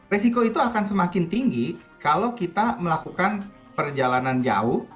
resiko itu akan semakin tinggi kalau kita melakukan perjalanan jauh